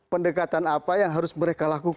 pendekatan apa yang harus mereka lakukan